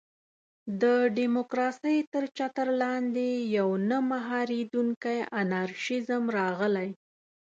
د ډیموکراسۍ تر چتر لاندې یو نه مهارېدونکی انارشېزم راغلی.